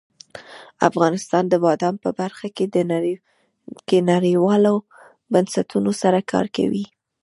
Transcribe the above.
افغانستان د بادام په برخه کې نړیوالو بنسټونو سره کار کوي.